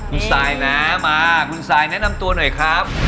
คุณซายนะมาคุณซายแนะนำตัวหน่อยครับ